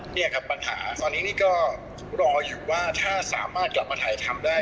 นี่ครับปัญหาตอนนี้นี่ก็รออยู่ว่าถ้าสามารถกลับมาถ่ายทำได้